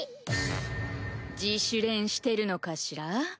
自主練してるのかしら？